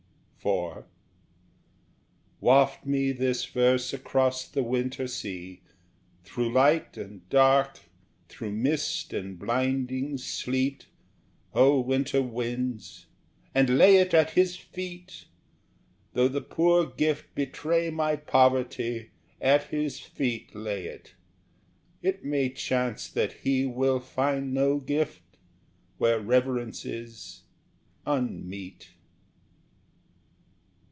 IV Waft me this verse across the winter sea, Through light and dark, through mist and blinding sleet, O winter winds, and lay it at his feet; Though the poor gift betray my poverty, At his feet lay it: it may chance that he Will find no gift, where reverence is, unmeet.